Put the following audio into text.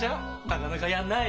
なかなかやんない。